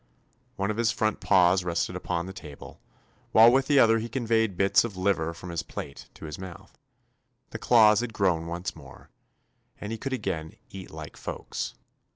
One of his front paws rested upon the table, while with the other he conveyed bits of liver 202 TOMMY POSTOFFICE from his plate to his mouth. The claws had grown once more, and he could again "eat like folks."